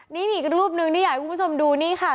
นี่มีอีกรูปหนึ่งที่อยากให้คุณผู้ชมดูนี่ค่ะ